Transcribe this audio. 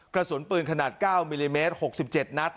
กระสุนปืนขนาด๙มิลลิเมตร๖๗นัด